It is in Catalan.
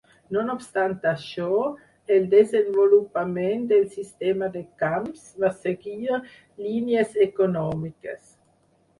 No obstant això, el desenvolupament del sistema de camps va seguir línies econòmiques.